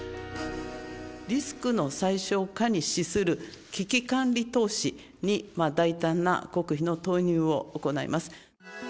リスクの最小化に資する危機管理投資に、大胆な国費の投入を行います。